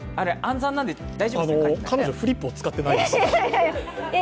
彼女、フリップを使ってないんです。